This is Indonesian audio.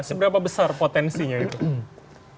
seberapa besar potensinya itu